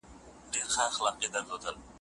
د ګلانو کوڅه ستا په مخ وه ښکلې